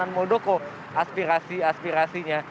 dan modoko aspirasi aspirasinya